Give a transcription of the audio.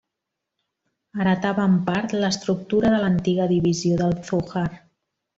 Heretava en part l'estructura de l'antiga Divisió del Zújar.